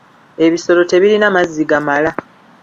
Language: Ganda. Ebisolo tebirina mazzi gamala.